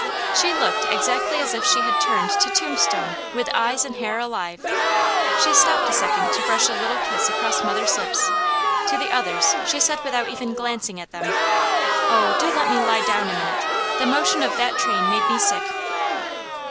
She looked exactly as if she had turned to tombstone with eyes and hair alive. She stopped a second to brush a little kiss across mother's lips, to the others she said without even glancing at them: "Oh do let me lie down a minute! The motion of that train made me sick."